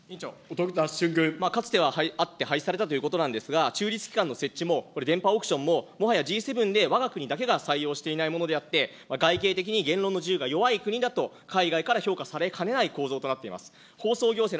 かつてはあって廃止されたということなんですが、中立機関の設置も、これ、電波オークションももはやＧ７でわが国だけが採用していないものであって、的に言論の自由が弱い国だと、海外から評価されかねない構造となっています。